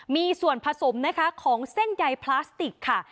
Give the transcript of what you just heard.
มีส่วนผสมนะคะของเส้นใยพลาสติกค่ะ